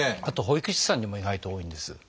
あと保育士さんにも意外と多いんです。